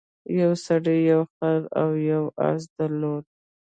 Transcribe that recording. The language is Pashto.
یو سړي یو خر او یو اس درلودل.